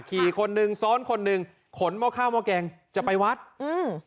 ขี่คนนึงซ้อนคนนึงขนเมาะข้าวเมาะแกงจะไปวัฒน์